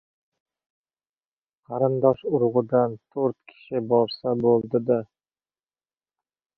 — Qarindosh-urug‘idan to‘rt kishi borsa bo‘ldi-da.